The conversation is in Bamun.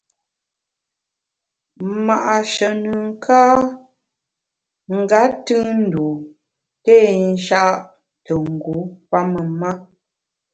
Ma’she nùn ka nga tùn ndû té nja’ te ngu pamem ma.